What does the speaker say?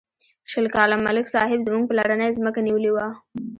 شل کاله ملک صاحب زموږ پلرنۍ ځمکه نیولې وه.